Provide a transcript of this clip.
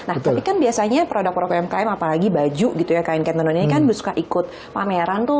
nah tapi kan biasanya produk produk umkm apalagi baju gitu ya kain kain tenun ini kan suka ikut pameran tuh